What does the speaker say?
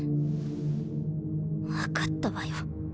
分かったわよ。